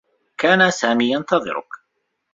كان سامي ينتظرك.